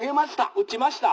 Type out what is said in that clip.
「打ちました」。